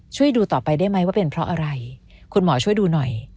ช่วยดูต่อไปได้ไหมว่าเป็นเพราะอะไรคุณหมอช่วยดูหน่อย